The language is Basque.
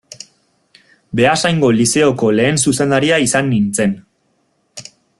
Beasaingo Lizeoko lehen zuzendaria izan nintzen.